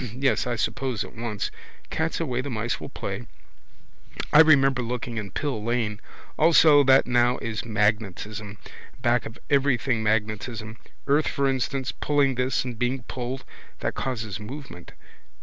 Yes, I suppose, at once. Cat's away, the mice will play. I remember looking in Pill lane. Also that now is magnetism. Back of everything magnetism. Earth for instance pulling this and being pulled. That causes movement.